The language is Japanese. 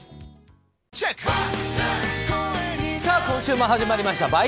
今週も始まりました。